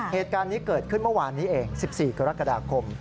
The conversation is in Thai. เหตุการณ์นี้เกิดขึ้นเมื่อวานนี้เอง๑๔กรกฎาคม